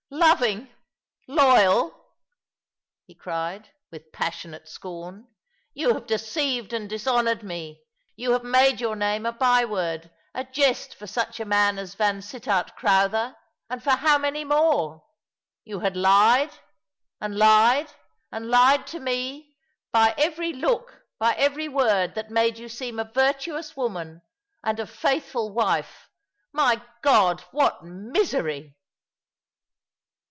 " Loving, loyal !*' he cried, with passionate scorn. " You had deceived and dishonoured me — you had made your name a by word — a jest for such a man as Yansittart Crowther — and for how many more? You had lied, and lied, and lied to me— by every look, by every word that made you seem a virtuous woman and a faithful wife. My God, what misery